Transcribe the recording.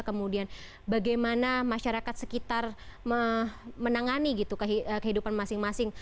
kemudian bagaimana masyarakat sekitar menangani kehidupan masing masing